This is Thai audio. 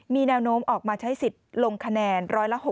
มีแนวโน้มออกมาใช้สิทธิ์ลงคะแนน๑๖๐